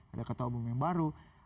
ada ketua umum yang baru